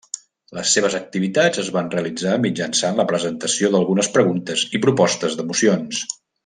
Les seves activitats es van realitzar mitjançant la presentació d'algunes preguntes i propostes de mocions.